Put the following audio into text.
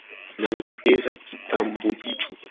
Nilipoteza kitambulisho